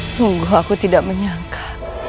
sungguh aku tidak menyangka